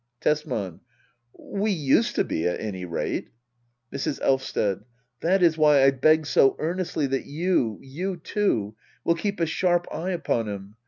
Tesman. We used to be, at any rate. Mrs. Elysted. That is why I beg so earnestly that you — ^you too — will keep a sharp eye upon him.